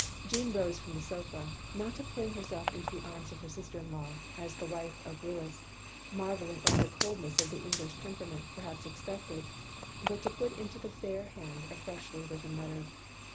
Jeanne rose from the sofa, — ^not to fling herself into the arms of her sister in law, as the wife of Louis, marvelling over the coldness of the English temperament, perhaps expected, — ^but to put into the fair hand a freshly written letter.